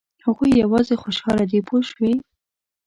هغوی یوازې خوشاله دي پوه شوې!.